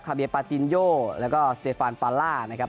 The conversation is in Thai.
คาเบียปาตินโยแล้วก็สเตฟานปาล่า